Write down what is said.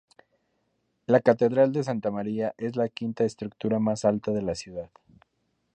La Catedral de Santa María es la quinta estructura más alta de la ciudad.